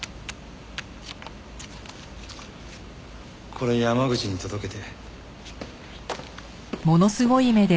これ山口に届けて。